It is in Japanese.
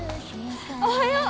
おはよう！